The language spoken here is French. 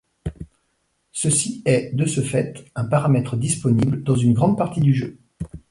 Ceci est, de ce fait, un paramètre disponible dans une grande partie du jeu.